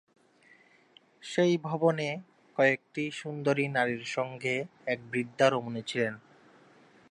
সেই ভবনে কয়েকটি সুন্দরী নারীর সঙ্গে এক বৃদ্ধা রমণী ছিলেন।